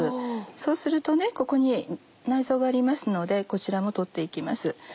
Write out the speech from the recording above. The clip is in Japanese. そうするとここに内臓がありますのでこちらも取って行きます。